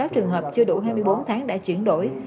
ba mươi sáu trường hợp chưa đủ hai mươi bốn tháng đã chuyển đổi